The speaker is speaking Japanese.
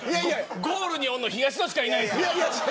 ゴールにいるの東野しかいないですよ。